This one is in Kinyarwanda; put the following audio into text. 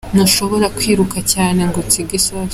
"Ntushobora kwiruka cyane ngo usige isasu.